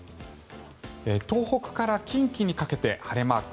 東北から近畿にかけて晴れマーク。